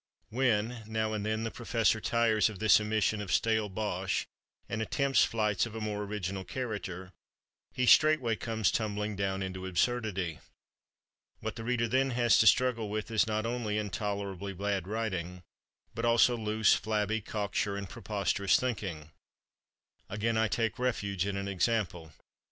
When, now and then, the professor tires of this emission of stale bosh and attempts flights of a more original character, he straightway comes tumbling down into absurdity. What the reader then has to struggle with is not only intolerably bad writing, but also loose, flabby, cocksure and preposterous thinking.... Again I take refuge in an example.